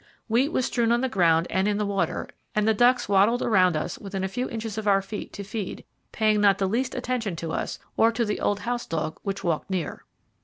Wheat was strewn on the ground and in the water, and the ducks waddled around us within a few inches of our feet to feed, paying not the least attention to us, or to the old house dog which walked near.